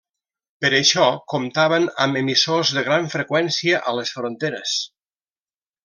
Per a això comptaven amb emissors de gran freqüència a les fronteres.